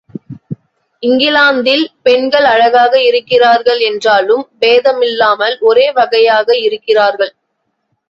இங்கிலாந்தில் பெண்கள் அழகாக இருக்கிறார்கள் என்றாலும் பேதமில்லாமல் ஒரே வகையாக இருக்கிறார்கள்.